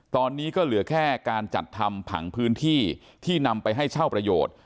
ตอนนี้ก็เหลือแค่การจัดทำผังพื้นที่ที่นำไปให้เช่าประโยชน์